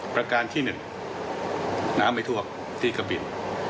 ประการที่หนึ่งน้ำไม่ทวบที่กระบิน